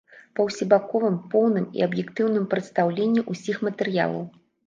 Па усебаковым, поўным і аб'ектыўным прадстаўленні ўсіх матэрыялаў.